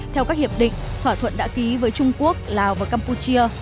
theo các hiệp định thỏa thuận đã ký với trung quốc lào và campuchia